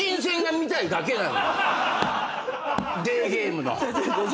デーゲームの。